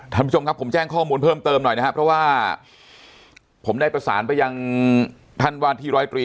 ท่านผู้ชมครับผมแจ้งข้อมูลเพิ่มเติมหน่อยนะครับเพราะว่าผมได้ประสานไปยังท่านวาดที่ร้อยตรี